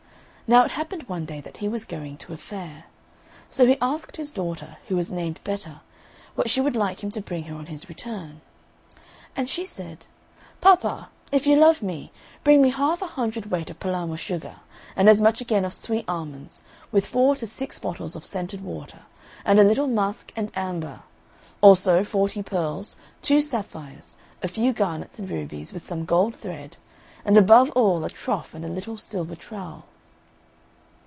Now it happened one day that he was going to a fair; so he asked his daughter, who was named Betta, what she would like him to bring her on his return. And she said, "Papa, if you love me, bring me half a hundredweight of Palermo sugar, and as much again of sweet almonds, with four to six bottles of scented water, and a little musk and amber, also forty pearls, two sapphires, a few garnets and rubies, with some gold thread, and above all a trough and a little silver trowel."